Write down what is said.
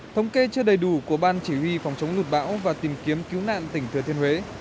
thống kê chưa đầy đủ của ban chỉ huy phòng chống lụt bão và tìm kiếm cứu nạn tỉnh thừa thiên huế